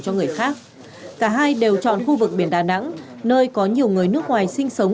cho người khác cả hai đều chọn khu vực biển đà nẵng nơi có nhiều người nước ngoài sinh sống